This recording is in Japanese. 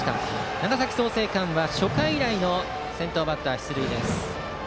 長崎・創成館は初回以来の先頭バッター出塁。